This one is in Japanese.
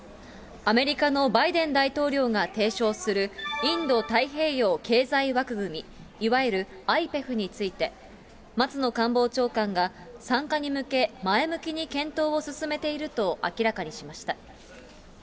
アメリカのバイデン大統領が提唱するインド太平洋経済枠組、いわゆるＩＰＥＦ松野官房長官が参加に向け、前向きに検討を進めていると明らかにしました。